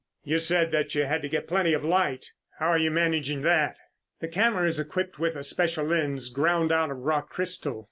"You said that you had to get plenty of light. How are you managing that?" "The camera is equipped with a special lens ground out of rock crystal.